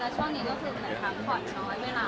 และช่วงนี้ก็คือเหมือนค่ะขอดน้อยเวลา